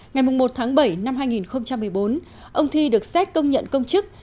ngày một tháng bảy năm hai nghìn một mươi bốn ông thi được xét công nhận công chức